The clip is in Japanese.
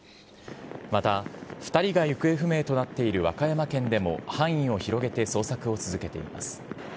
また２人が行方不明となっている和歌山県でも範囲を広げて捜索を続けています。